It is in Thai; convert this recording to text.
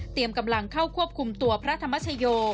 กำลังเข้าควบคุมตัวพระธรรมชโย